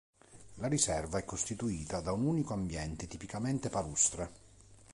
La riserva è costituita da un unico ambiente tipicamente palustre.